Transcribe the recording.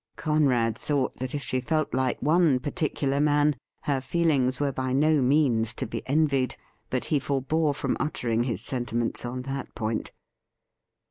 Conrad thought that if she felt like one particular man her feelings were by no means to be envied ; but he forbore from uttering his sentiments on that point.